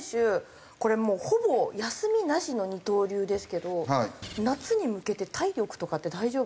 これもうほぼ休みなしの二刀流ですけど夏に向けて体力とかって大丈夫なんですか？